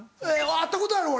会ったことある俺！